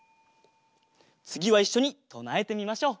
つぎはいっしょにとなえてみましょう。